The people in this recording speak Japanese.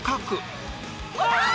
うわ！